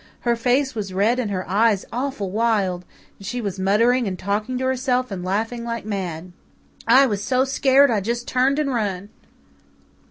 Her face was red and her eyes awful wild and she was muttering and talking to herself and laughing like mad. I was so scared I just turned and run."